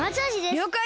りょうかい！